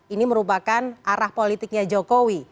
ini merupakan arah politiknya jokowi